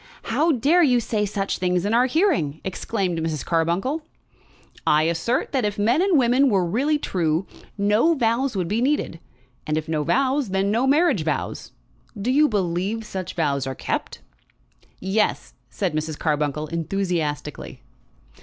"How dare you say such things in our hearing!" exclaimed Mrs. Carbuncle. "I assert that if men and women were really true, no vows would be needed; and if no vows, then no marriage vows. Do you believe such vows are kept?" "Yes," said Mrs. Carbuncle enthusiastically.